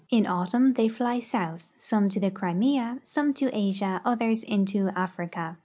In autumn they fly south — some to the Crimea, some to Asia, others into Africa.